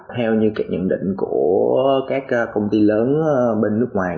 theo như nhận định của các công ty lớn bên nước ngoài